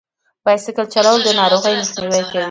بایسکل چلول د ناروغیو مخنیوی کوي.